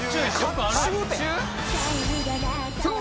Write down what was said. そう！